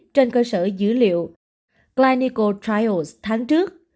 trên cơ sở dữ liệu clinical trials tháng trước